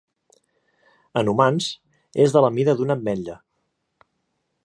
En humans és de la mida d'una ametlla.